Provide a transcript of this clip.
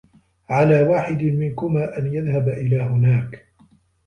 على واحد منكما أن يذهب إلى هناك.